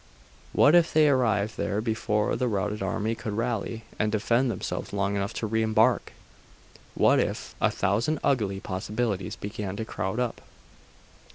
What if they arrived there before the routed army could rally, and defend themselves long enough to re embark!.... What if a thousand ugly possibilities began to crowd up.